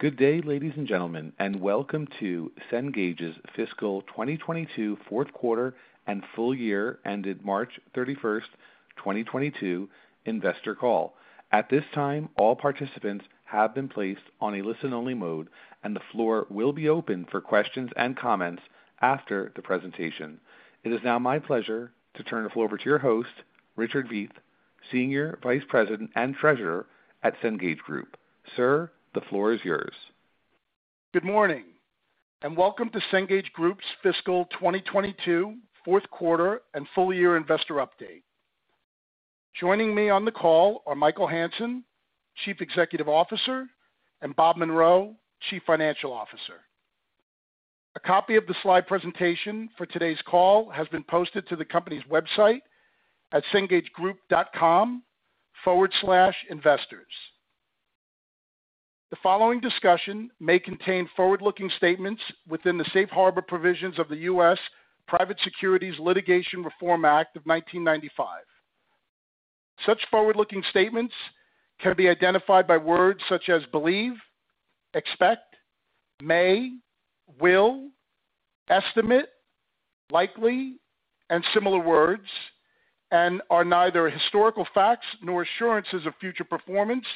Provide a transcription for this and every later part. Good day, ladies and gentlemen, and welcome to Cengage's Fiscal 2022 fourth quarter and full year ended March 31, 2022 investor call. At this time, all participants have been placed on a listen-only mode, and the floor will be open for questions and comments after the presentation. It is now my pleasure to turn the floor over to your host, Richard Veith, Senior Vice President and Treasurer at Cengage Group. Sir, the floor is yours. Good morning, and welcome to Cengage Group's fiscal 2022 fourth quarter and full year investor update. Joining me on the call are Michael Hansen, Chief Executive Officer, and Bob Munro, Chief Financial Officer. A copy of the slide presentation for today's call has been posted to the company's website at cengagegroup.com/investors. The following discussion may contain forward-looking statements within the Safe Harbor provisions of the U.S. Private Securities Litigation Reform Act of 1995. Such forward-looking statements can be identified by words such as believe, expect, may, will, estimate, likely, and similar words, and are neither historical facts nor assurances of future performance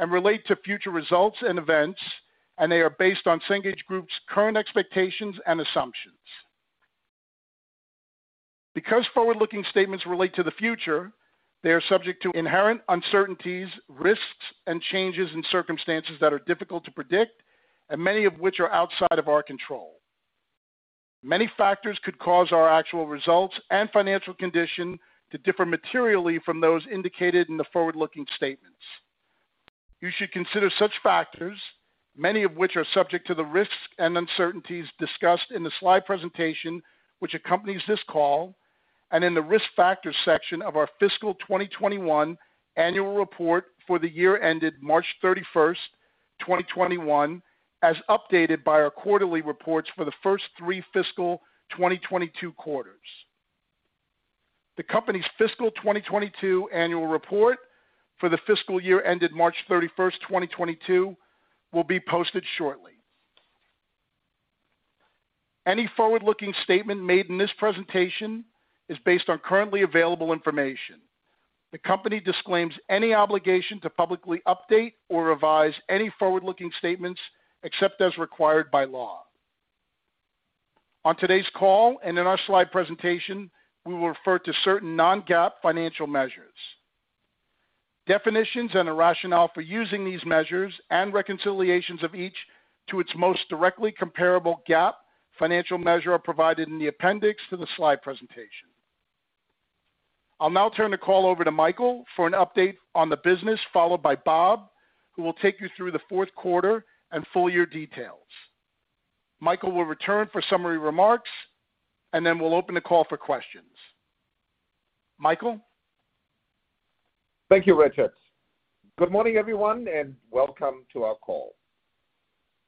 and relate to future results and events, and they are based on Cengage Group's current expectations and assumptions. Because forward-looking statements relate to the future, they are subject to inherent uncertainties, risks, and changes in circumstances that are difficult to predict, and many of which are outside of our control. Many factors could cause our actual results and financial condition to differ materially from those indicated in the forward-looking statements. You should consider such factors, many of which are subject to the risks and uncertainties discussed in the slide presentation which accompanies this call, and in the Risk Factors section of our fiscal 2021 annual report for the year ended March 31, 2021, as updated by our quarterly reports for the first three fiscal 2022 quarters. The company's fiscal 2022 annual report for the fiscal year ended March 31, 2022 will be posted shortly. Any forward-looking statement made in this presentation is based on currently available information. The company disclaims any obligation to publicly update or revise any forward-looking statements except as required by law. On today's call and in our slide presentation, we will refer to certain non-GAAP financial measures. Definitions and a rationale for using these measures and reconciliations of each to its most directly comparable GAAP financial measure are provided in the appendix to the slide presentation. I'll now turn the call over to Michael for an update on the business, followed by Bob, who will take you through the fourth quarter and full year details. Michael will return for summary remarks, and then we'll open the call for questions. Michael? Thank you, Richard. Good morning, everyone, and welcome to our call.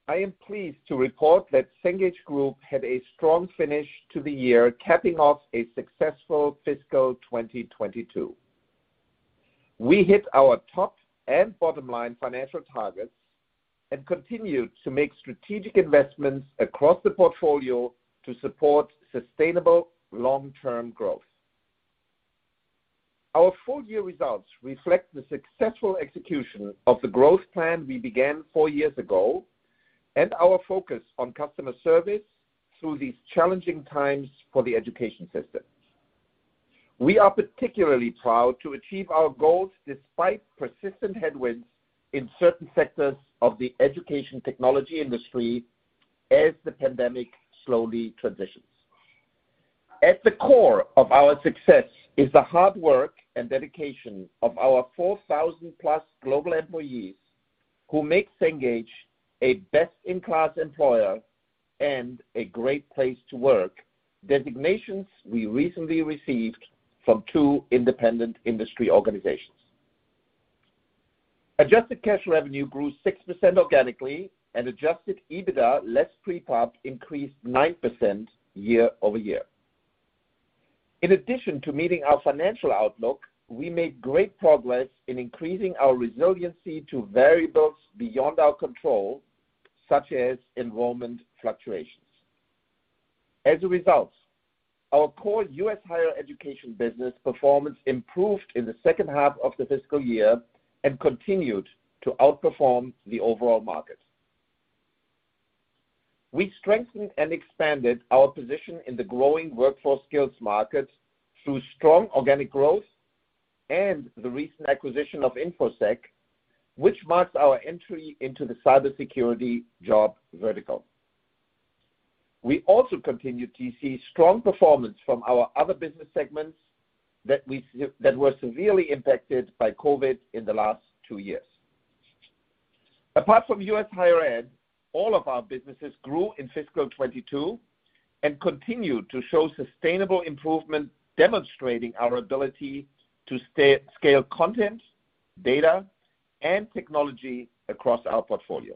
I am pleased to report that Cengage Group had a strong finish to the year, capping off a successful fiscal 2022. We hit our top and bottom line financial targets and continued to make strategic investments across the portfolio to support sustainable long-term growth. Our full year results reflect the successful execution of the growth plan we began four years ago and our focus on customer service through these challenging times for the education system. We are particularly proud to achieve our goals despite persistent headwinds in certain sectors of the education technology industry as the pandemic slowly transitions. At the core of our success is the hard work and dedication of our 4,000+ global employees who make Cengage a best-in-class employer and a great place to work, designations we recently received from two independent industry organizations. Adjusted cash revenue grew 6% organically, and adjusted EBITDA less pre-pub increased 9% year-over-year. In addition to meeting our financial outlook, we made great progress in increasing our resiliency to variables beyond our control, such as enrollment fluctuations. As a result, our core U.S. higher education business performance improved in the second half of the fiscal year and continued to outperform the overall market. We strengthened and expanded our position in the growing workforce skills market through strong organic growth and the recent acquisition of Infosec, which marks our entry into the cybersecurity job vertical. We also continued to see strong performance from our other business segments that were severely impacted by COVID in the last two years. Apart from U.S. higher ed, all of our businesses grew in fiscal 2022 and continued to show sustainable improvement, demonstrating our ability to scale content, data, and technology across our portfolio.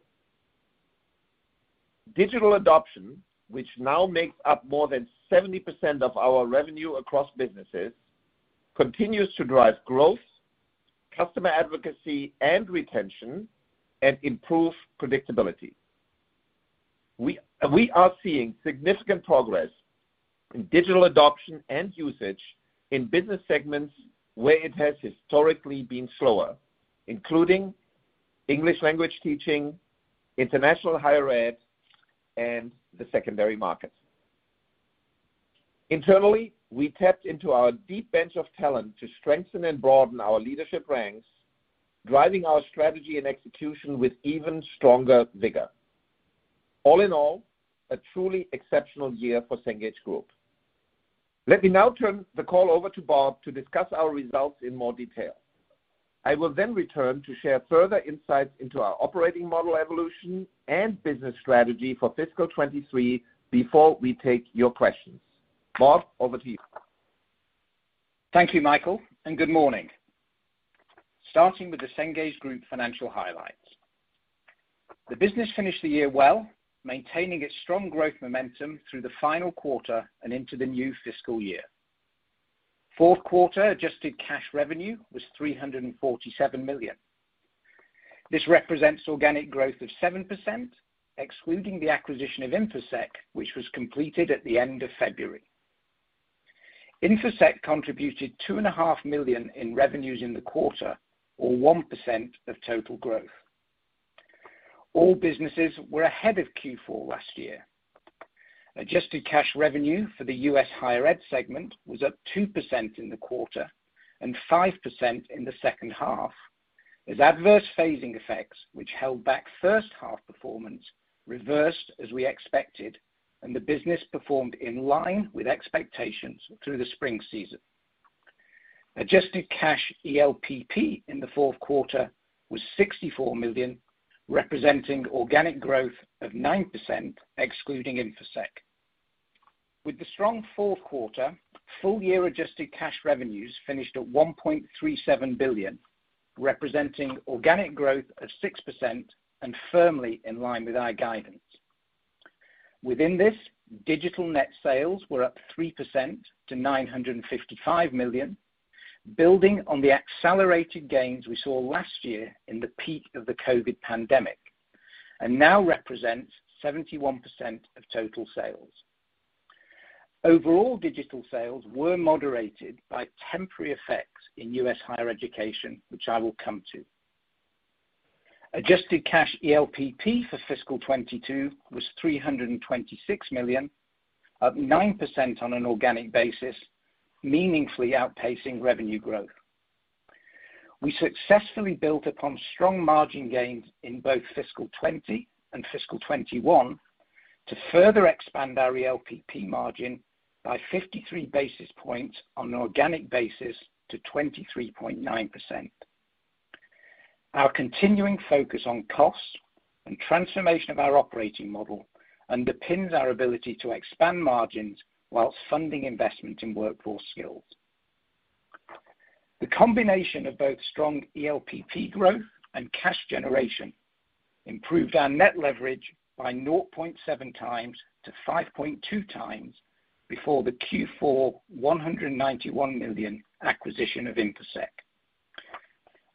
Digital adoption, which now makes up more than 70% of our revenue across businesses, continues to drive growth, customer advocacy and retention, and improve predictability. We are seeing significant progress in digital adoption and usage in business segments where it has historically been slower, including English language teaching, international higher ed, and the secondary market. Internally, we tapped into our deep bench of talent to strengthen and broaden our leadership ranks, driving our strategy and execution with even stronger vigor. All in all, a truly exceptional year for Cengage Group. Let me now turn the call over to Bob to discuss our results in more detail. I will then return to share further insights into our operating model evolution and business strategy for fiscal 2023 before we take your questions. Bob, over to you. Thank you, Michael, and good morning. Starting with the Cengage Group financial highlights. The business finished the year well, maintaining its strong growth momentum through the final quarter and into the new fiscal year. Fourth quarter adjusted cash revenue was $347 million. This represents organic growth of 7% excluding the acquisition of Infosec, which was completed at the end of February. Infosec contributed $2.5 million in revenues in the quarter, or 1% of total growth. All businesses were ahead of Q4 last year. Adjusted cash revenue for the U.S. higher ed segment was up 2% in the quarter and 5% in the second half, as adverse phasing effects which held back first half performance reversed as we expected, and the business performed in line with expectations through the spring season. Adjusted cash ELPP in the fourth quarter was $64 million, representing organic growth of 9% excluding Infosec. With the strong fourth quarter, full year adjusted cash revenues finished at $1.37 billion, representing organic growth of 6% and firmly in line with our guidance. Within this, digital net sales were up 3% to $955 million, building on the accelerated gains we saw last year in the peak of the COVID pandemic, and now represents 71% of total sales. Overall, digital sales were moderated by temporary effects in U.S. higher education, which I will come to. Adjusted cash ELPP for fiscal 2022 was $326 million, up 9% on an organic basis, meaningfully outpacing revenue growth. We successfully built upon strong margin gains in both fiscal 2020 and fiscal 2021 to further expand our ELPP margin by 53 basis points on an organic basis to 23.9%. Our continuing focus on cost and transformation of our operating model underpins our ability to expand margins while funding investment in workforce skills. The combination of both strong ELPP growth and cash generation improved our net leverage by 0.7 times to 5.2 times before the Q4 $191 million acquisition of Infosec.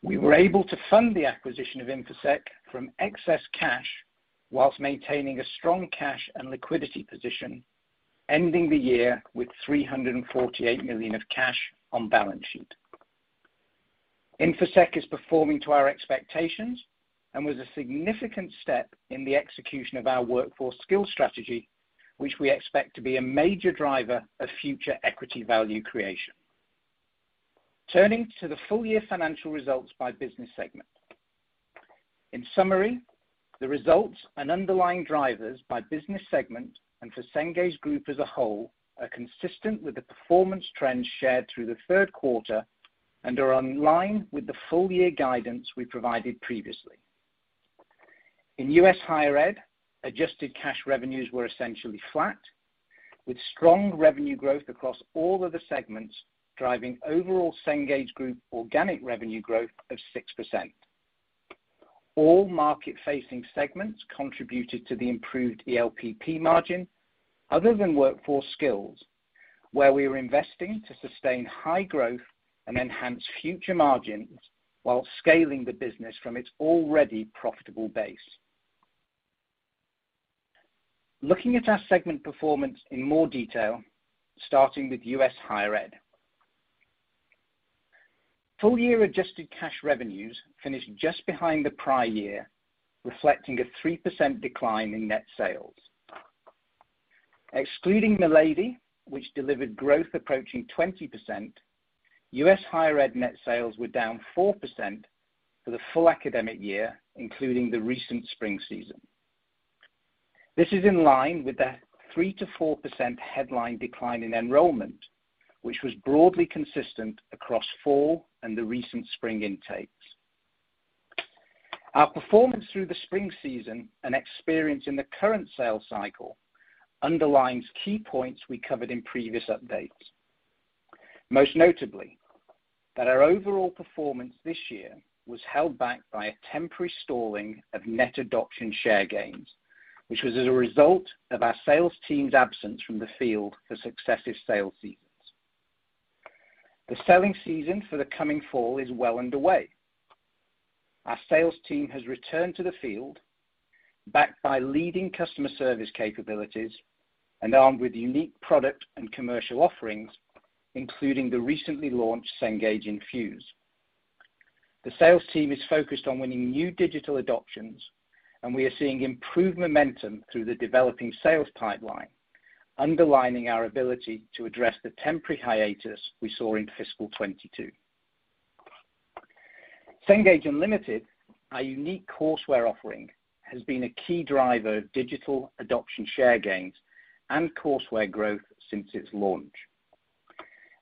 We were able to fund the acquisition of Infosec from excess cash while maintaining a strong cash and liquidity position, ending the year with $348 million of cash on balance sheet. Infosec is performing to our expectations and was a significant step in the execution of our workforce skills strategy, which we expect to be a major driver of future equity value creation. Turning to the full year financial results by business segment. In summary, the results and underlying drivers by business segment and for Cengage Group as a whole are consistent with the performance trends shared through the third quarter and are in line with the full year guidance we provided previously. In U.S. higher ed, adjusted cash revenues were essentially flat, with strong revenue growth across all of the segments, driving overall Cengage Group organic revenue growth of 6%. All market-facing segments contributed to the improved ELPP margin other than workforce skills, where we are investing to sustain high growth and enhance future margins while scaling the business from its already profitable base. Looking at our segment performance in more detail, starting with U.S. higher ed. Full-year adjusted cash revenues finished just behind the prior year, reflecting a 3% decline in net sales. Excluding Milady, which delivered growth approaching 20%, U.S. higher ed net sales were down 4% for the full academic year, including the recent spring season. This is in line with the 3%-4% headline decline in enrollment, which was broadly consistent across fall and the recent spring intakes. Our performance through the spring season and experience in the current sales cycle underlines key points we covered in previous updates. Most notably, that our overall performance this year was held back by a temporary stalling of net adoption share gains, which was as a result of our sales team's absence from the field for successive sales seasons. The selling season for the coming fall is well underway. Our sales team has returned to the field, backed by leading customer service capabilities and armed with unique product and commercial offerings, including the recently launched Cengage Infuse. The sales team is focused on winning new digital adoptions, and we are seeing improved momentum through the developing sales pipeline, underlining our ability to address the temporary hiatus we saw in fiscal 2022. Cengage Unlimited, our unique courseware offering, has been a key driver of digital adoption share gains and courseware growth since its launch.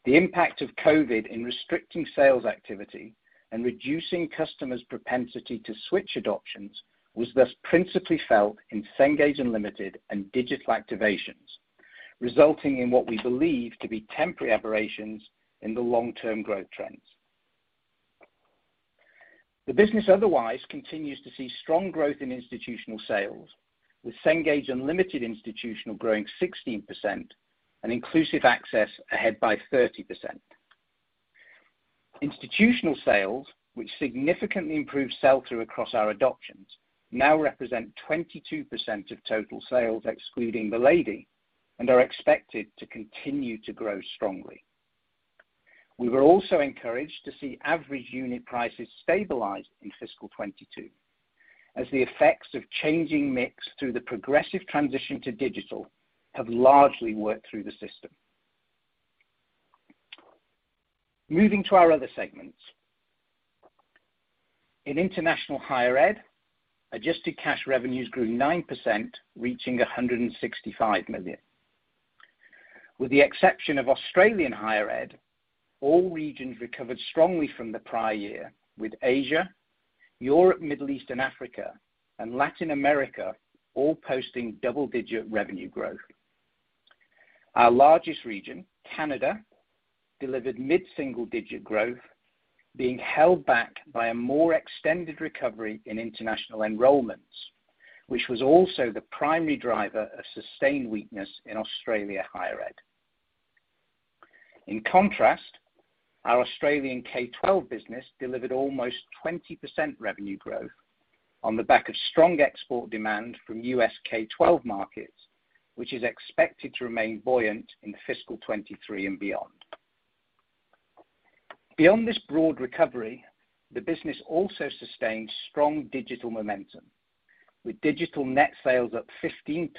The impact of COVID in restricting sales activity and reducing customers' propensity to switch adoptions was thus principally felt in Cengage Unlimited and digital activations, resulting in what we believe to be temporary aberrations in the long-term growth trends. The business otherwise continues to see strong growth in institutional sales, with Cengage Unlimited for Institutions growing 16%, and Inclusive Access ahead by 30%. Institutional sales, which significantly improved sell-through across our adoptions, now represent 22% of total sales, excluding Milady, and are expected to continue to grow strongly. We were also encouraged to see average unit prices stabilize in fiscal 2022, as the effects of changing mix through the progressive transition to digital have largely worked through the system. Moving to our other segments. In International Higher Ed, adjusted cash revenues grew 9%, reaching $165 million. With the exception of Australian Higher Ed, all regions recovered strongly from the prior year, with Asia, Europe, Middle East and Africa, and Latin America all posting double-digit revenue growth. Our largest region, Canada, delivered mid-single-digit growth, being held back by a more extended recovery in international enrollments, which was also the primary driver of sustained weakness in Australian Higher Ed. In contrast, our Australian K-12 business delivered almost 20% revenue growth on the back of strong export demand from U.S. K-12 markets, which is expected to remain buoyant in the fiscal 2023 and beyond. Beyond this broad recovery, the business also sustained strong digital momentum, with digital net sales up 15%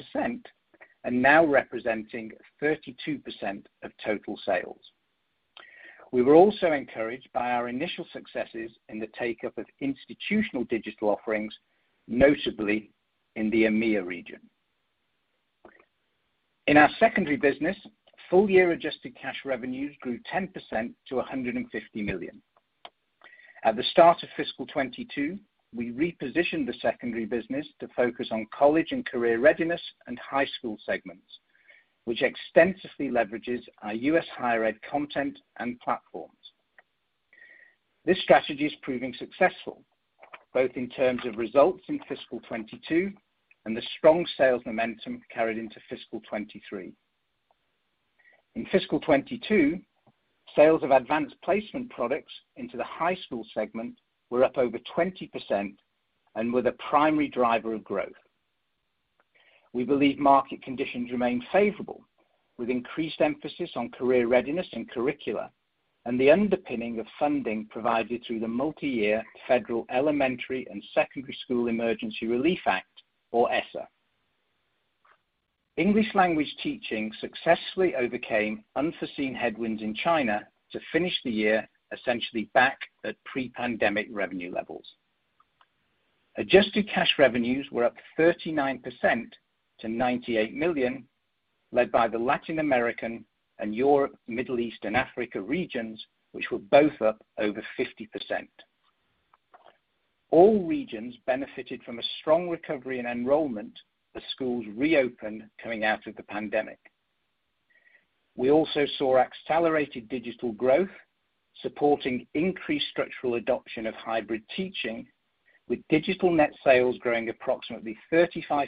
and now representing 32% of total sales. We were also encouraged by our initial successes in the take-up of institutional digital offerings, notably in the EMEA region. In our secondary business, full-year adjusted cash revenues grew 10% to $150 million. At the start of fiscal 2022, we repositioned the secondary business to focus on college and career readiness and high school segments, which extensively leverages our U.S. higher ed content and platforms. This strategy is proving successful, both in terms of results in fiscal 2022 and the strong sales momentum carried into fiscal 2023. In fiscal 2022, sales of Advanced Placement products into the high school segment were up over 20% and were the primary driver of growth. We believe market conditions remain favorable, with increased emphasis on career readiness and curricula, and the underpinning of funding provided through the multi-year Elementary and Secondary School Emergency Relief Fund, or ESSER. English language teaching successfully overcame unforeseen headwinds in China to finish the year essentially back at pre-pandemic revenue levels. Adjusted cash revenues were up 39% to $98 million, led by the Latin American and Europe, Middle East and Africa regions, which were both up over 50%. All regions benefited from a strong recovery in enrollment as schools reopened coming out of the pandemic. We also saw accelerated digital growth, supporting increased structural adoption of hybrid teaching, with digital net sales growing approximately 35%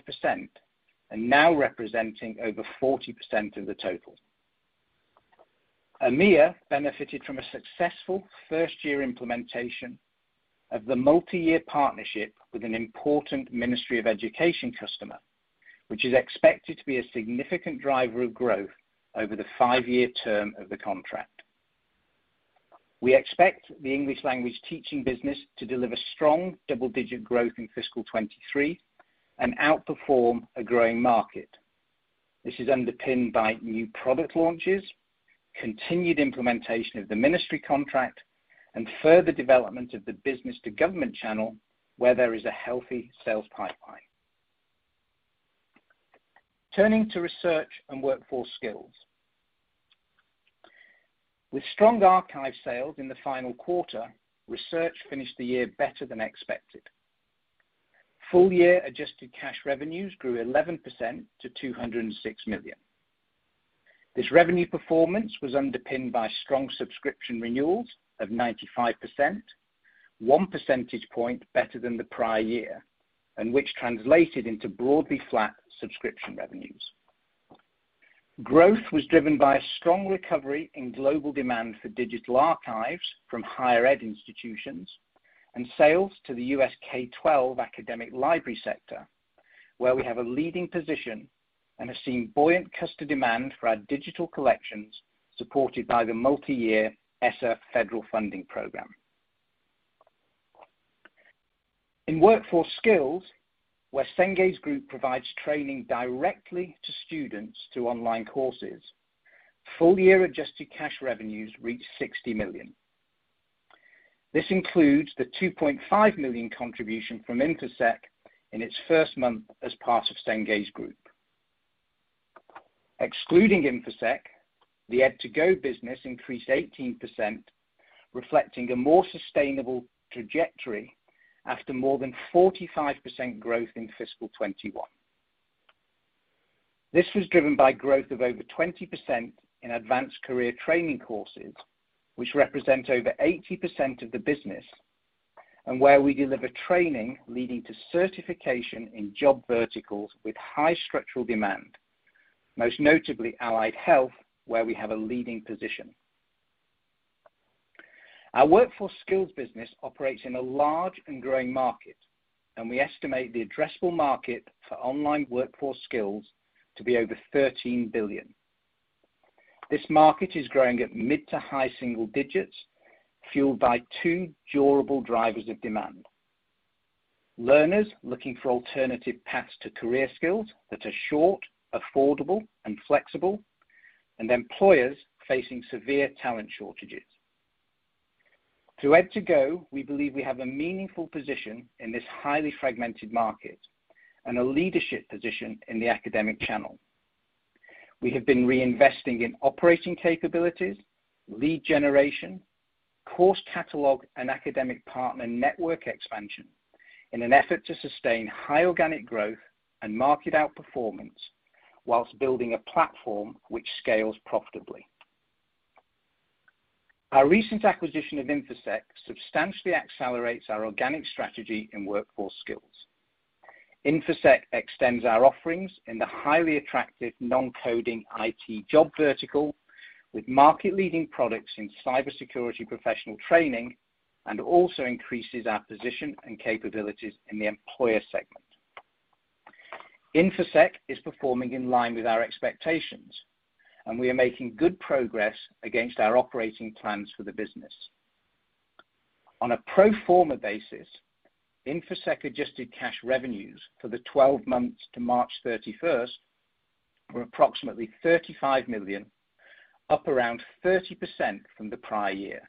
and now representing over 40% of the total. EMEA benefited from a successful first-year implementation of the multi-year partnership with an important Ministry of Education customer, which is expected to be a significant driver of growth over the five-year term of the contract. We expect the English language teaching business to deliver strong double-digit growth in fiscal 2023 and outperform a growing market. This is underpinned by new product launches, continued implementation of the ministry contract, and further development of the business-to-government channel where there is a healthy sales pipeline. Turning to research and workforce skills. With strong archive sales in the final quarter, research finished the year better than expected. Full year adjusted cash revenues grew 11% to $206 million. This revenue performance was underpinned by strong subscription renewals of 95%, one percentage point better than the prior year, and which translated into broadly flat subscription revenues. Growth was driven by a strong recovery in global demand for digital archives from higher ed institutions and sales to the US K-12 academic library sector, where we have a leading position and have seen buoyant customer demand for our digital collections, supported by the multi-year ESSER federal funding program. In Workforce Skills, where Cengage Group provides training directly to students through online courses, full year adjusted cash revenues reached $60 million. This includes the $2.5 million contribution from Infosec in its first month as part of Cengage Group. Excluding Infosec, the ed2go business increased 18%, reflecting a more sustainable trajectory after more than 45% growth in fiscal 2021. This was driven by growth of over 20% in advanced career training courses, which represent over 80% of the business, and where we deliver training leading to certification in job verticals with high structural demand, most notably Allied Health, where we have a leading position. Our Workforce Skills business operates in a large and growing market, and we estimate the addressable market for online workforce skills to be over $13 billion. This market is growing at mid- to high-single-digit %, fueled by two durable drivers of demand. Learners looking for alternative paths to career skills that are short, affordable and flexible, and employers facing severe talent shortages. Through ed2go, we believe we have a meaningful position in this highly fragmented market and a leadership position in the academic channel. We have been reinvesting in operating capabilities, lead generation, course catalog, and academic partner network expansion in an effort to sustain high organic growth and market outperformance while building a platform which scales profitably. Our recent acquisition of Infosec substantially accelerates our organic strategy in workforce skills. Infosec extends our offerings in the highly attractive non-coding IT job vertical with market-leading products in cybersecurity professional training, and also increases our position and capabilities in the employer segment. Infosec is performing in line with our expectations, and we are making good progress against our operating plans for the business. On a pro forma basis, Infosec adjusted cash revenues for the twelve months to March thirty-first were approximately $35 million, up around 30% from the prior year.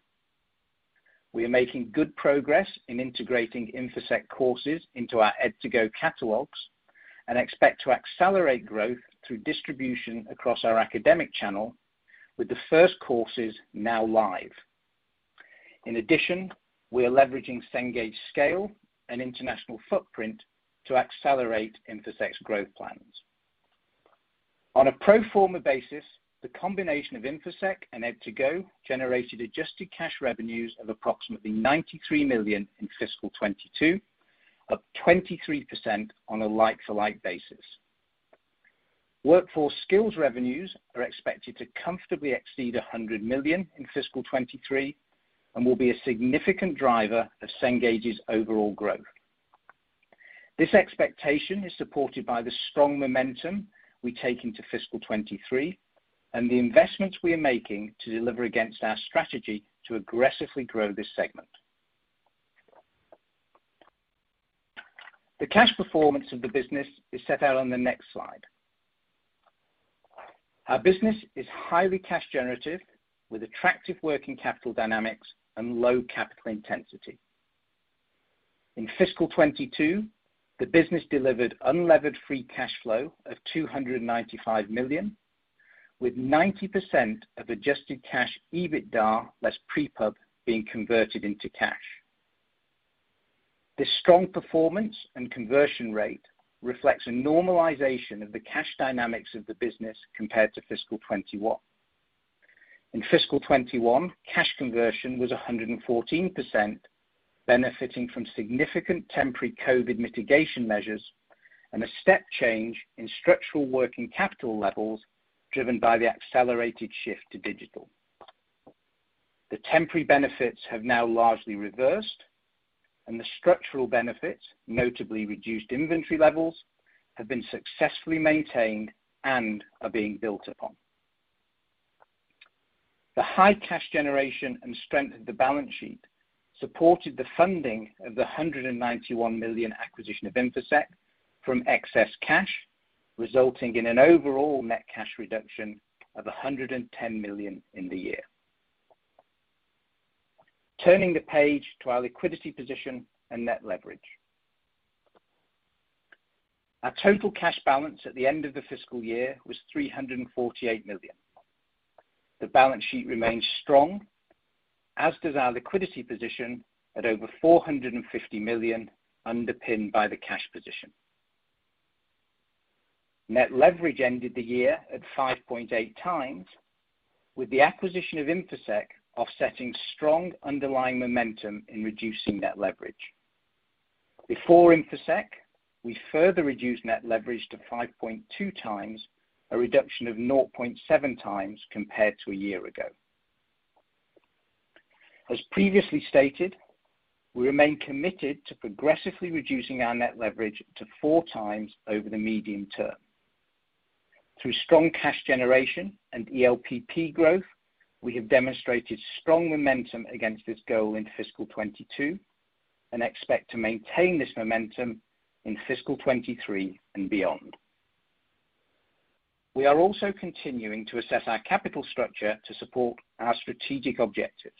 We are making good progress in integrating Infosec courses into our ed2go catalogs and expect to accelerate growth through distribution across our academic channel with the first courses now live. In addition, we are leveraging Cengage scale and international footprint to accelerate Infosec's growth plans. On a pro forma basis, the combination of Infosec and ed2go generated adjusted cash revenues of approximately $93 million in fiscal 2022, up 23% on a like for like basis. Workforce Skills revenues are expected to comfortably exceed $100 million in fiscal 2023 and will be a significant driver of Cengage's overall growth. This expectation is supported by the strong momentum we take into fiscal 2023 and the investments we are making to deliver against our strategy to aggressively grow this segment. The cash performance of the business is set out on the next slide. Our business is highly cash generative with attractive working capital dynamics and low capital intensity. In fiscal 2022, the business delivered unlevered free cash flow of $295 million, with 90% of adjusted cash EBITDA less pre-pub being converted into cash. This strong performance and conversion rate reflects a normalization of the cash dynamics of the business compared to fiscal 2021. In fiscal 2021, cash conversion was 114%, benefiting from significant temporary COVID mitigation measures and a step change in structural working capital levels driven by the accelerated shift to digital. The temporary benefits have now largely reversed, and the structural benefits, notably reduced inventory levels, have been successfully maintained and are being built upon. The high cash generation and strength of the balance sheet supported the funding of the $191 million acquisition of Infosec from excess cash, resulting in an overall net cash reduction of $110 million in the year. Turning the page to our liquidity position and net leverage. Our total cash balance at the end of the fiscal year was $348 million. The balance sheet remains strong, as does our liquidity position at over $450 million, underpinned by the cash position. Net leverage ended the year at 5.8 times, with the acquisition of Infosec offsetting strong underlying momentum in reducing net leverage. Before Infosec, we further reduced net leverage to 5.2 times, a reduction of zero point seven times compared to a year ago. As previously stated, we remain committed to progressively reducing our net leverage to 4 times over the medium term. Through strong cash generation and ELPP growth, we have demonstrated strong momentum against this goal in fiscal 2022, and expect to maintain this momentum in fiscal 2023 and beyond. We are also continuing to assess our capital structure to support our strategic objectives.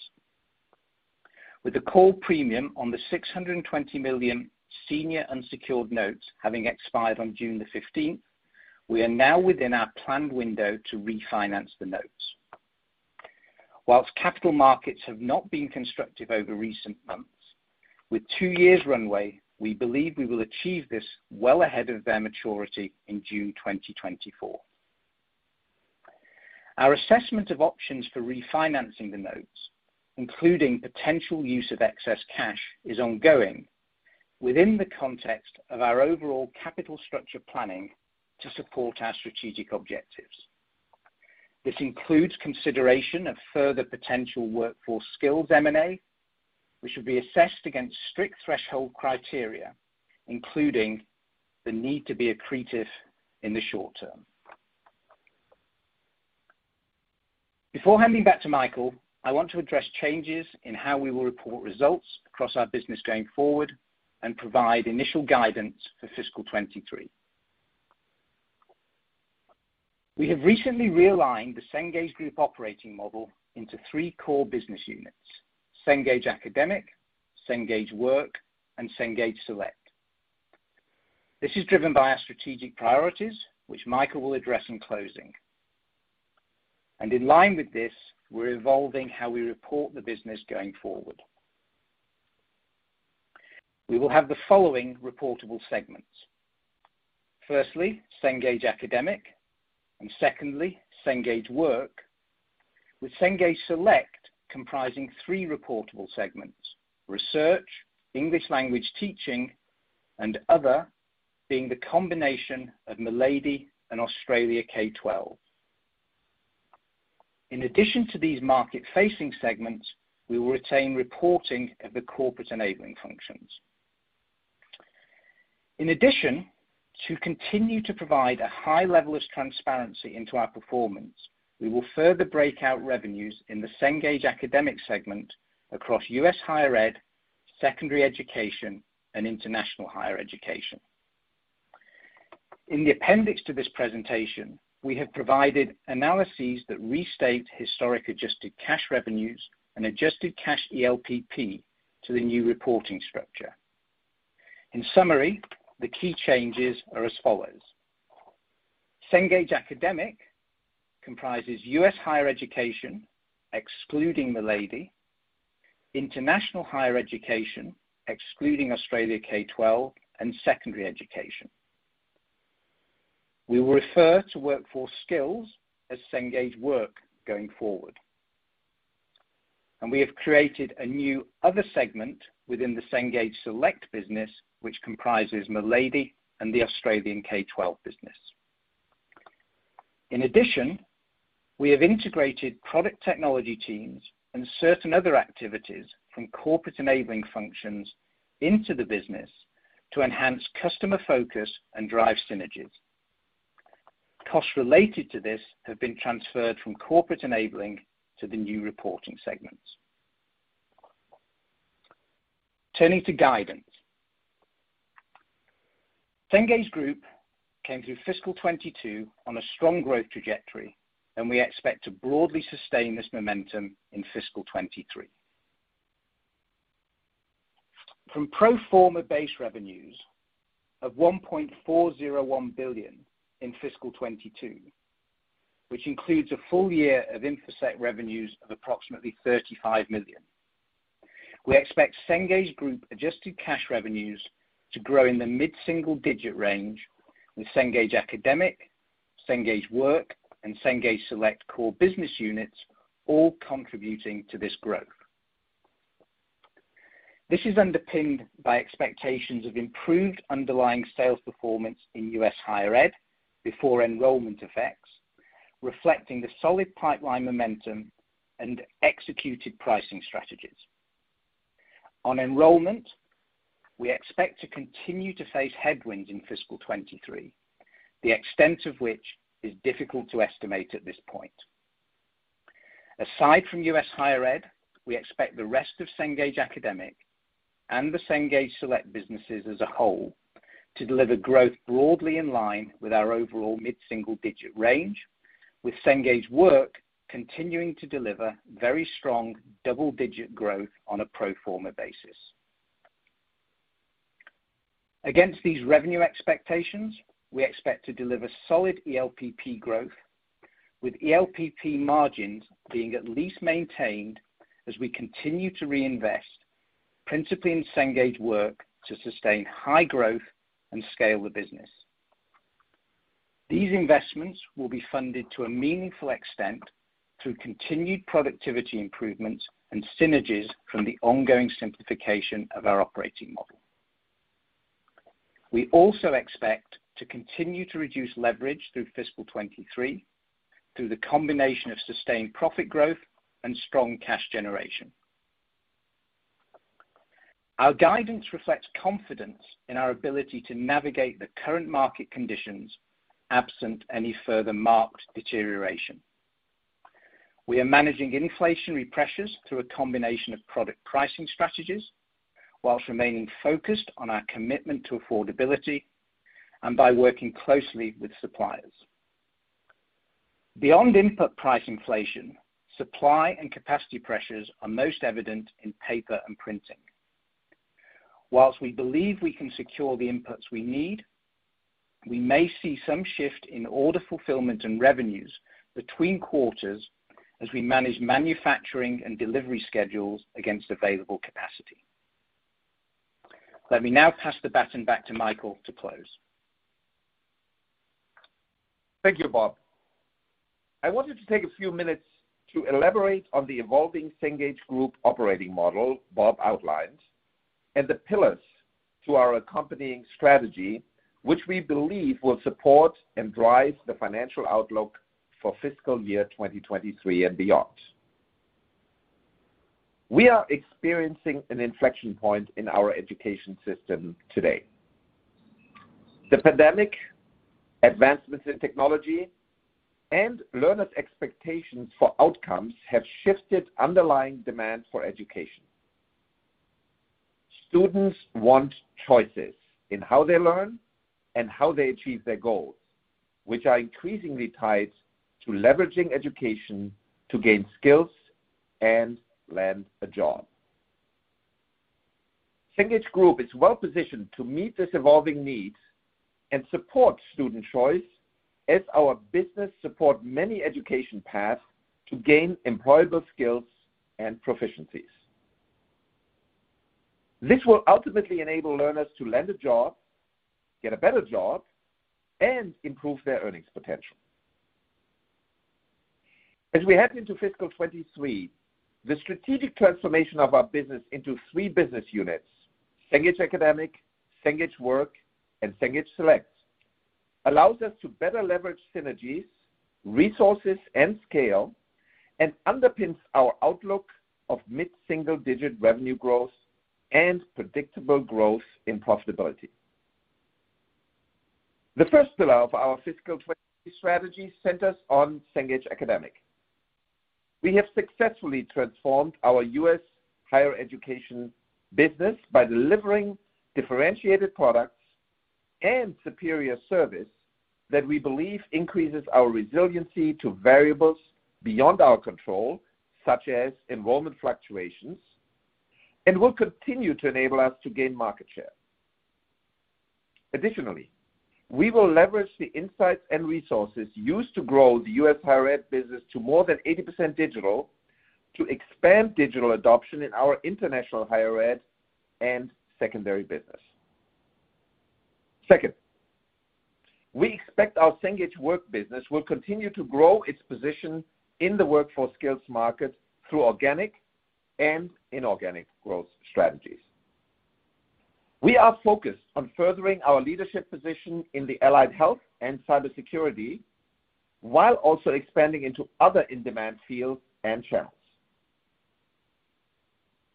With the call premium on the $620 million senior unsecured notes having expired on June 15th, we are now within our planned window to refinance the notes. While capital markets have not been constructive over recent months, with 2 years runway, we believe we will achieve this well ahead of their maturity in June 2024. Our assessment of options for refinancing the notes, including potential use of excess cash, is ongoing within the context of our overall capital structure planning to support our strategic objectives. This includes consideration of further potential workforce skills M&A, which will be assessed against strict threshold criteria, including the need to be accretive in the short term. Before handing back to Michael, I want to address changes in how we will report results across our business going forward and provide initial guidance for fiscal 2023. We have recently realigned the Cengage Group operating model into three core business units, Cengage Academic, Cengage Work, and Cengage Select. This is driven by our strategic priorities, which Michael will address in closing. In line with this, we're evolving how we report the business going forward. We will have the following reportable segments. Firstly, Cengage Academic and secondly, Cengage Work, with Cengage Select comprising three reportable segments, Research, English Language Teaching, and Other, being the combination of Milady and Australia K-12. In addition to these market-facing segments, we will retain reporting of the corporate enabling functions. In addition, to continue to provide a high level of transparency into our performance, we will further break out revenues in the Cengage Academic segment across U.S. higher ed, secondary education, and international higher education. In the appendix to this presentation, we have provided analyses that restate historic adjusted cash revenues and adjusted cash ELPP to the new reporting structure. In summary, the key changes are as follows. Cengage Academic comprises U.S. higher education, excluding Milady, international higher education, excluding Australia K-12, and secondary education. We will refer to Workforce Skills as Cengage Work going forward. We have created a new Other segment within the Cengage Select business, which comprises Milady and the Australian K-12 business. In addition, we have integrated product technology teams and certain other activities from corporate enabling functions into the business to enhance customer focus and drive synergies. Costs related to this have been transferred from corporate enabling to the new reporting segments. Turning to guidance. Cengage Group came through fiscal 2022 on a strong growth trajectory, and we expect to broadly sustain this momentum in fiscal 2023. From pro forma base revenues of $1.401 billion in fiscal 2022, which includes a full year of Infosec revenues of approximately $35 million, we expect Cengage Group adjusted cash revenues to grow in the mid-single digit range, with Cengage Academic, Cengage Work, and Cengage Select core business units all contributing to this growth. This is underpinned by expectations of improved underlying sales performance in U.S. higher ed before enrollment effects, reflecting the solid pipeline momentum and executed pricing strategies. On enrollment, we expect to continue to face headwinds in fiscal 2023, the extent of which is difficult to estimate at this point. Aside from U.S. higher ed, we expect the rest of Cengage Academic and the Cengage Select businesses as a whole to deliver growth broadly in line with our overall mid-single digit range, with Cengage Work continuing to deliver very strong double-digit growth on a pro forma basis. Against these revenue expectations, we expect to deliver solid ELPP growth with ELPP margins being at least maintained as we continue to reinvest, principally in Cengage Work, to sustain high growth and scale the business. These investments will be funded to a meaningful extent through continued productivity improvements and synergies from the ongoing simplification of our operating model. We also expect to continue to reduce leverage through fiscal 2023 through the combination of sustained profit growth and strong cash generation. Our guidance reflects confidence in our ability to navigate the current market conditions absent any further marked deterioration. We are managing inflationary pressures through a combination of product pricing strategies, while remaining focused on our commitment to affordability and by working closely with suppliers. Beyond input price inflation, supply and capacity pressures are most evident in paper and printing. While we believe we can secure the inputs we need, we may see some shift in order fulfillment and revenues between quarters as we manage manufacturing and delivery schedules against available capacity. Let me now pass the baton back to Michael to close. Thank you, Bob. I wanted to take a few minutes to elaborate on the evolving Cengage Group operating model Bob outlined, and the pillars to our accompanying strategy, which we believe will support and drive the financial outlook for fiscal year 2023 and beyond. We are experiencing an inflection point in our education system today. The pandemic, advancements in technology, and learners' expectations for outcomes have shifted underlying demand for education. Students want choices in how they learn and how they achieve their goals, which are increasingly tied to leveraging education to gain skills and land a job. Cengage Group is well-positioned to meet this evolving need and support student choice as our business support many education paths to gain employable skills and proficiencies. This will ultimately enable learners to land a job, get a better job, and improve their earnings potential. As we head into fiscal 2023, the strategic transformation of our business into three business units, Cengage Academic, Cengage Work, and Cengage Select, allows us to better leverage synergies, resources, and scale, and underpins our outlook of mid-single-digit revenue growth and predictable growth in profitability. The first pillar of our fiscal strategy centers on Cengage Academic. We have successfully transformed our U.S. higher education business by delivering differentiated products and superior service that we believe increases our resiliency to variables beyond our control, such as enrollment fluctuations, and will continue to enable us to gain market share. Additionally, we will leverage the insights and resources used to grow the U.S. higher ed business to more than 80% digital to expand digital adoption in our international higher ed and secondary business. Second, we expect our Cengage Work business will continue to grow its position in the workforce skills market through organic and inorganic growth strategies. We are focused on furthering our leadership position in the Allied Health and cybersecurity while also expanding into other in-demand fields and channels.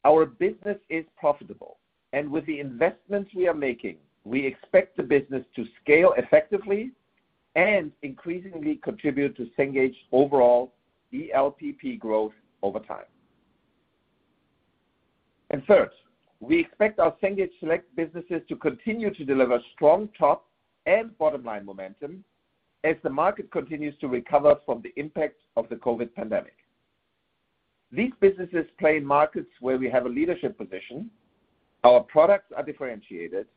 Our business is profitable, and with the investments we are making, we expect the business to scale effectively and increasingly contribute to Cengage overall ELPP growth over time. Third, we expect our Cengage Select businesses to continue to deliver strong top and bottom line momentum as the market continues to recover from the impact of the COVID pandemic. These businesses play in markets where we have a leadership position, our products are differentiated,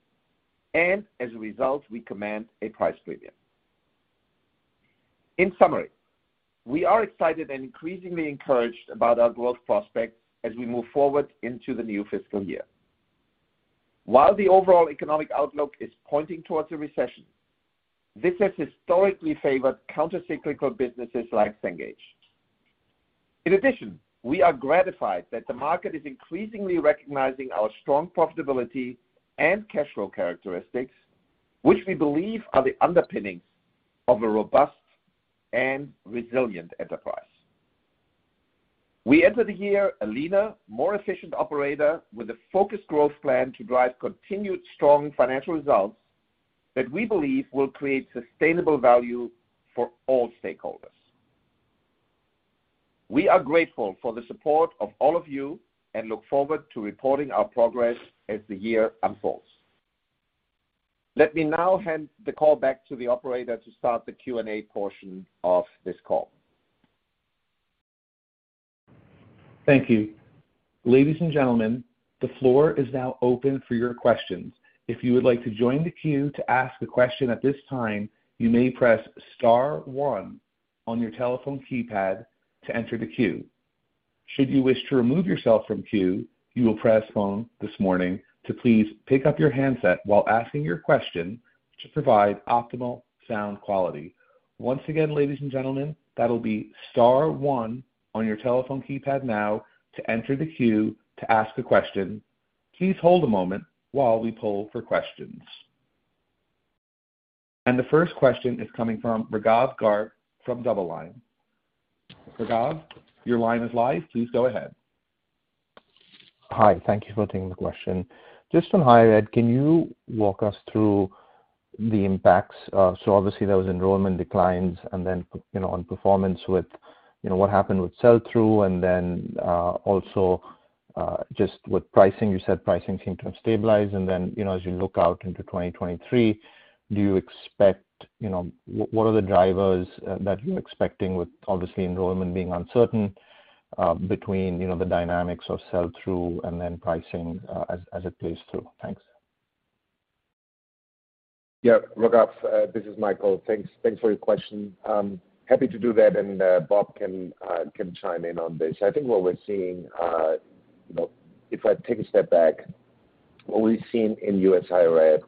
and as a result, we command a price premium. In summary, we are excited and increasingly encouraged about our growth prospects as we move forward into the new fiscal year. While the overall economic outlook is pointing towards a recession, this has historically favored countercyclical businesses like Cengage. In addition, we are gratified that the market is increasingly recognizing our strong profitability and cash flow characteristics, which we believe are the underpinnings of a robust and resilient enterprise. We enter the year a leaner, more efficient operator with a focused growth plan to drive continued strong financial results that we believe will create sustainable value for all stakeholders. We are grateful for the support of all of you and look forward to reporting our progress as the year unfolds. Let me now hand the call back to the operator to start the Q&A portion of this call. Thank you. Ladies and gentlemen, the floor is now open for your questions. If you would like to join the queue to ask a question at this time, you may press star one on your telephone keypad to enter the queue. Should you wish to remove yourself from the queue, you will press star two. Please pick up your handset while asking your question to provide optimal sound quality. Once again, ladies and gentlemen, that'll be star one on your telephone keypad now to enter the queue to ask a question. Please hold a moment while we poll for questions. The first question is coming from Raghav Garg from DoubleLine. Raghav, your line is live. Please go ahead. Hi. Thank you for taking the question. Just on higher ed, can you walk us through the impacts? So obviously, there was enrollment declines and then, you know, on performance with, you know, what happened with sell-through and then, also, just with pricing. You said pricing seemed to have stabilized. Then, you know, as you look out into 2023, do you expect, you know, what are the drivers, that you're expecting with obviously enrollment being uncertain, between, you know, the dynamics of sell-through and then pricing, as it plays through? Thanks. Yeah, Raghav Garg, this is Michael Hansen. Thanks for your question. Happy to do that, and Bob Munro can chime in on this. I think what we're seeing, you know, if I take a step back, what we've seen in U.S. higher ed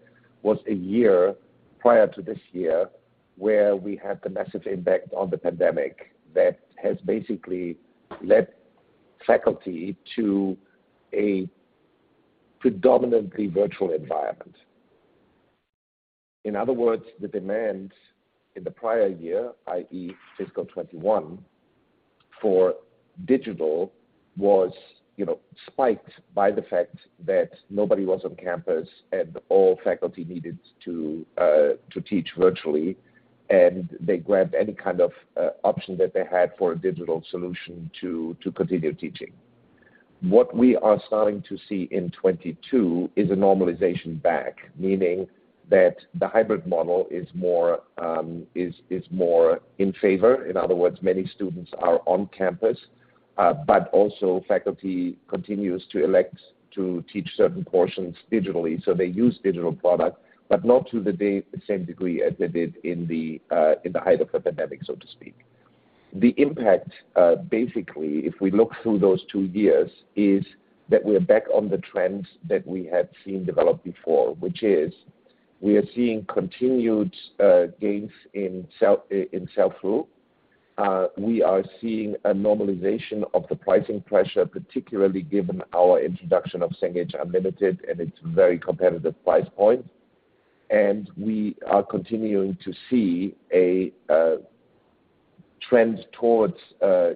was a year prior to this year where we had the massive impact on the pandemic that has basically led faculty to a predominantly virtual environment. In other words, the demand in the prior year, i.e., fiscal 2021 for digital was, you know, spiked by the fact that nobody was on campus and all faculty needed to teach virtually, and they grabbed any kind of option that they had for a digital solution to continue teaching. What we are starting to see in 2022 is a normalization back, meaning that the hybrid model is more in favor. In other words, many students are on campus, but also faculty continues to elect to teach certain portions digitally. They use digital product, but not to the same degree as they did in the height of the pandemic, so to speak. The impact, basically, if we look through those two years, is that we're back on the trends that we had seen develop before, which is we are seeing continued gains in sell-through. We are seeing a normalization of the pricing pressure, particularly given our introduction of Cengage Unlimited and its very competitive price point. We are continuing to see a trend towards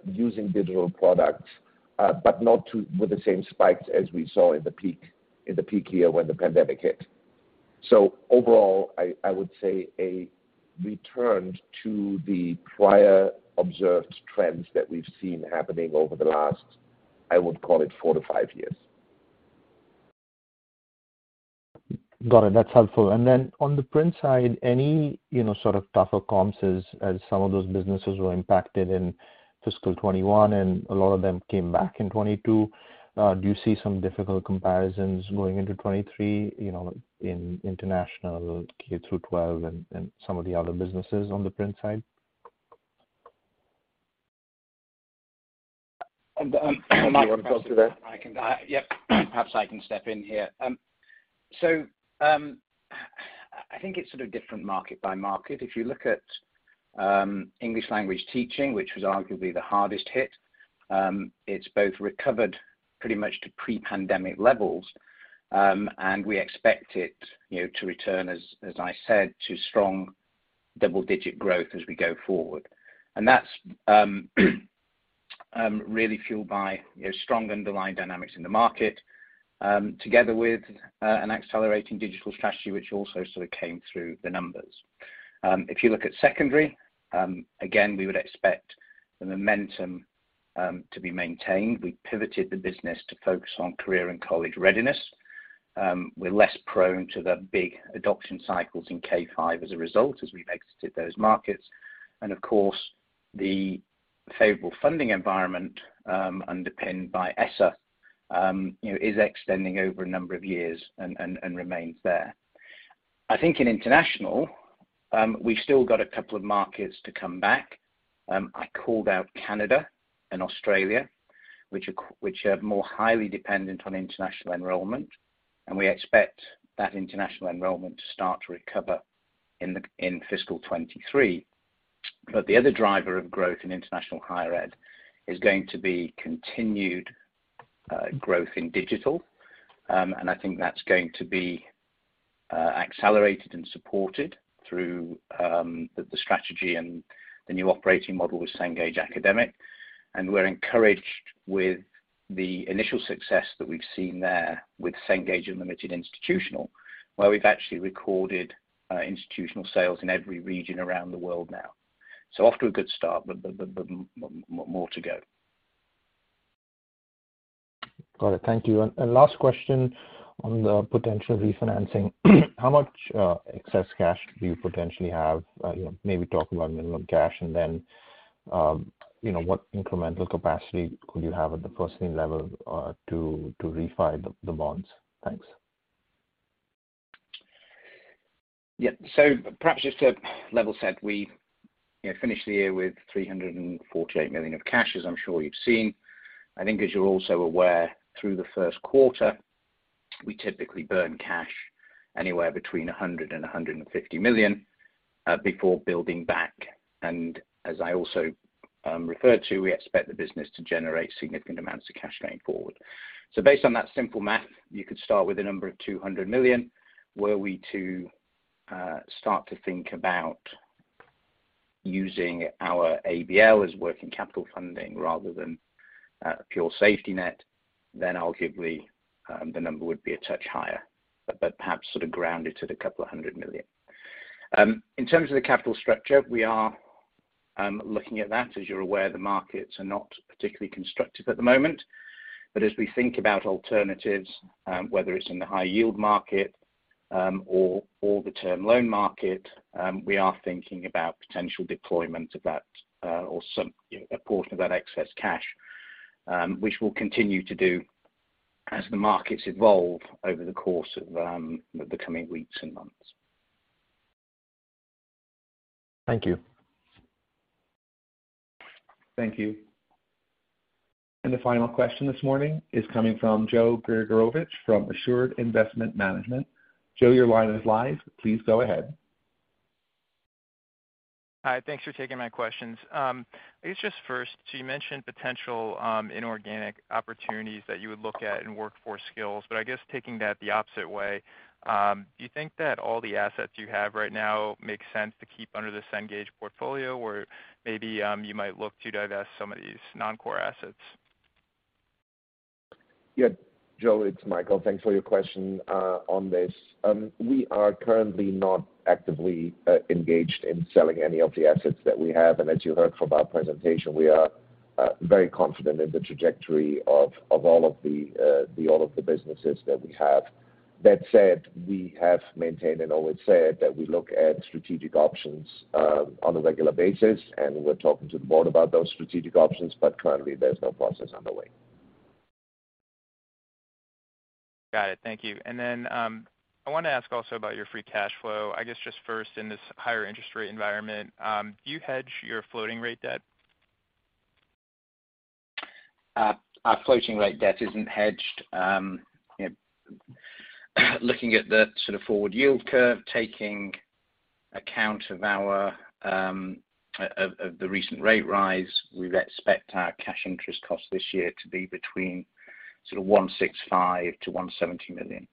using digital products, but not with the same spikes as we saw in the peak year when the pandemic hit. Overall, I would say a return to the prior observed trends that we've seen happening over the last, I would call it 4-5 years. Got it. That's helpful. On the print side, any, you know, sort of tougher comps as some of those businesses were impacted in fiscal 2021 and a lot of them came back in 2022. Do you see some difficult comparisons going into 2023, you know, in international K-12 and some of the other businesses on the print side? Michael Do you want me to go through that? Yep, perhaps I can step in here. I think it's sort of different market by market. If you look at English language teaching, which was arguably the hardest hit, it's both recovered pretty much to pre-pandemic levels, and we expect it, you know, to return as I said, to strong double-digit growth as we go forward. That's really fueled by, you know, strong underlying dynamics in the market, together with an accelerating digital strategy which also sort of came through the numbers. If you look at secondary, again, we would expect the momentum to be maintained. We pivoted the business to focus on career and college readiness. We're less prone to the big adoption cycles in K-5 as a result, as we've exited those markets. Of course, the favorable funding environment, underpinned by ESSER, you know, is extending over a number of years and remains there. I think in international, we still got a couple of markets to come back. I called out Canada and Australia, which are more highly dependent on international enrollment, and we expect that international enrollment to start to recover in fiscal 2023. But the other driver of growth in international higher ed is going to be continued growth in digital. And I think that's going to be accelerated and supported through the strategy and the new operating model with Cengage Academic. We're encouraged with the initial success that we've seen there with Cengage Unlimited for Institutions, where we've actually recorded institutional sales in every region around the world now. off to a good start, but more to go. Got it. Thank you. Last question on the potential refinancing. How much excess cash do you potentially have? You know, maybe talk about minimum cash and then, you know, what incremental capacity could you have at the parent level, to refi the bonds? Thanks. Yeah. Perhaps just to level set, we, you know, finished the year with $348 million of cash, as I'm sure you've seen. I think as you're also aware, through the first quarter, we typically burn cash anywhere between $100 million and $150 million before building back. As I also referred to, we expect the business to generate significant amounts of cash going forward. Based on that simple math, you could start with a number of $200 million. Were we to start to think about using our ABL as working capital funding rather than a pure safety net, then arguably the number would be a touch higher, but perhaps sort of grounded to the couple of hundred million. In terms of the capital structure, we are looking at that. As you're aware, the markets are not particularly constructive at the moment. As we think about alternatives, whether it's in the high yield market, or the term loan market, we are thinking about potential deployment of that, or some, you know, a portion of that excess cash, which we'll continue to do as the markets evolve over the course of the coming weeks and months. Thank you. Thank you. The final question this morning is coming from Joe Gregorace from Assured Investment Management. Joe, your line is live. Please go ahead. Hi. Thanks for taking my questions. I guess just first, so you mentioned potential inorganic opportunities that you would look at in workforce skills. I guess taking that the opposite way, do you think that all the assets you have right now make sense to keep under the Cengage portfolio, or maybe you might look to divest some of these non-core assets? Yeah. Joe, it's Michael. Thanks for your question on this. We are currently not actively engaged in selling any of the assets that we have. As you heard from our presentation, we are very confident in the trajectory of all of the businesses that we have. That said, we have maintained and always said that we look at strategic options on a regular basis, and we're talking to the board about those strategic options, but currently there's no process underway. Got it. Thank you. I wanna ask also about your free cash flow. I guess just first, in this higher interest rate environment, do you hedge your floating rate debt? Our floating rate debt isn't hedged. You know, looking at the sort of forward yield curve, taking account of the recent rate rise, we expect our cash interest cost this year to be between sort of $165 million-$170 million.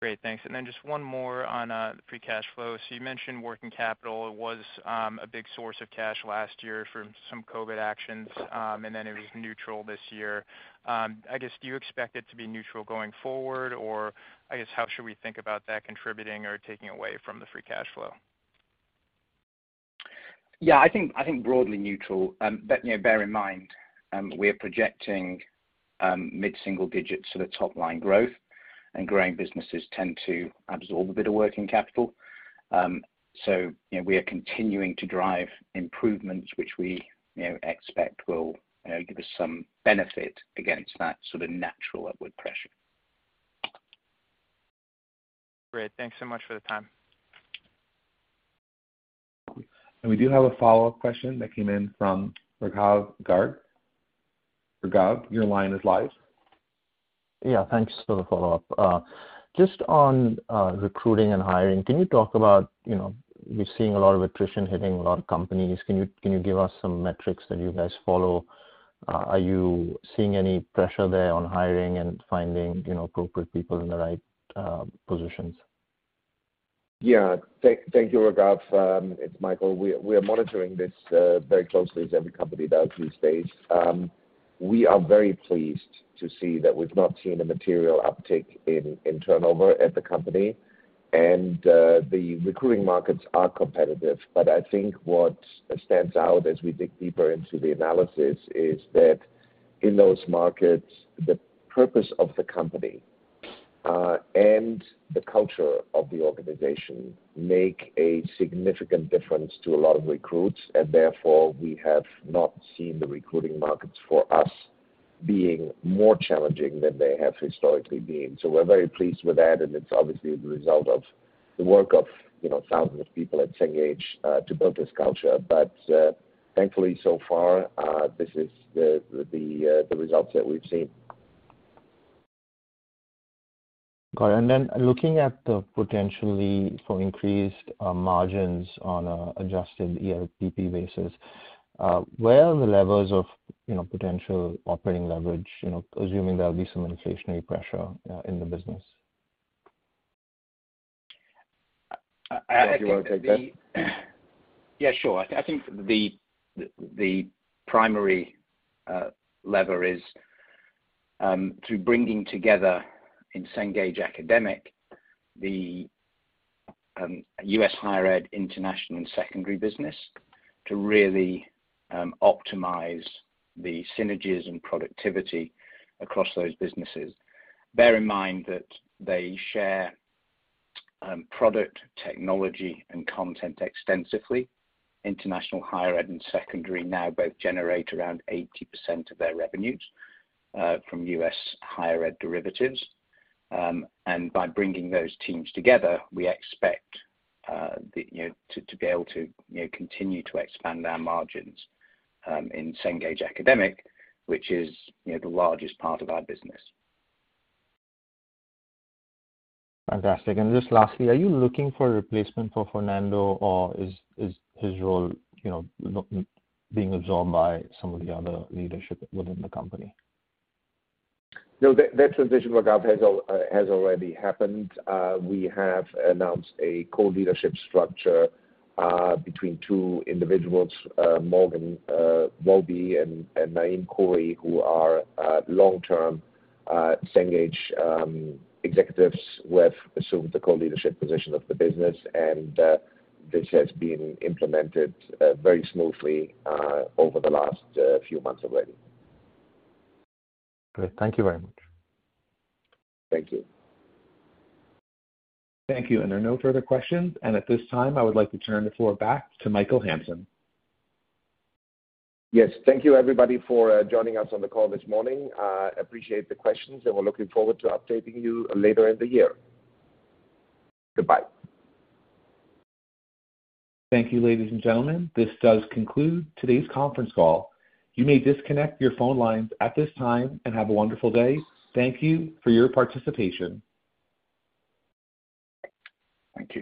Great. Thanks. Just one more on the free cash flow. You mentioned working capital was a big source of cash last year for some COVID actions, and then it was neutral this year. I guess, do you expect it to be neutral going forward? Or I guess, how should we think about that contributing or taking away from the free cash flow? I think broadly neutral. But, you know, bear in mind, we're projecting mid-single digits% to the top line growth, and growing businesses tend to absorb a bit of working capital. So, you know, we are continuing to drive improvements, which we, you know, expect will, you know, give us some benefit against that sort of natural upward pressure. Great. Thanks so much for the time. We do have a follow-up question that came in from Raghav Garg. Raghav, your line is live. Yeah. Thanks for the follow-up. Just on recruiting and hiring, can you talk about, you know, we're seeing a lot of attrition hitting a lot of companies. Can you give us some metrics that you guys follow? Are you seeing any pressure there on hiring and finding, you know, appropriate people in the right positions? Yeah. Thank you, Raghav. It's Michael. We're monitoring this very closely as every company does these days. We are very pleased to see that we've not seen a material uptick in turnover at the company. The recruiting markets are competitive. I think what stands out as we dig deeper into the analysis is that in those markets, the purpose of the company and the culture of the organization make a significant difference to a lot of recruits, and therefore, we have not seen the recruiting markets for us being more challenging than they have historically been. We're very pleased with that, and it's obviously the result of the work of, you know, thousands of people at Cengage to build this culture. Thankfully so far, this is the results that we've seen. Got it. Then looking at the potential for increased margins on an adjusted ELPP basis, where are the levers of potential operating leverage, you know, assuming there'll be some inflationary pressure in the business? I think the- Do you wanna take that? Yeah, sure. I think the primary lever is through bringing together in Cengage Academic the U.S. Higher Ed, International, and Secondary business to really optimize the synergies and productivity across those businesses. Bear in mind that they share product, technology, and content extensively. International Higher Ed and Secondary now both generate around 80% of their revenues from U.S. Higher Ed derivatives. By bringing those teams together, we expect you know to be able to you know continue to expand our margins in Cengage Academic, which is you know the largest part of our business. Fantastic. Just lastly, are you looking for a replacement for Fernando or is his role, you know, not being absorbed by some of the other leadership within the company? No, that transition, Raghav, has already happened. We have announced a co-leadership structure between two individuals, Morgan Wolbe and Naim Khoury, who are long-term Cengage executives who have assumed the co-leadership position of the business. This has been implemented very smoothly over the last few months already. Great. Thank you very much. Thank you. Thank you. There are no further questions. At this time, I would like to turn the floor back to Michael Hansen. Yes. Thank you, everybody, for joining us on the call this morning. Appreciate the questions, and we're looking forward to updating you later in the year. Goodbye. Thank you, ladies and gentlemen. This does conclude today's conference call. You may disconnect your phone lines at this time, and have a wonderful day. Thank you for your participation. Thank you.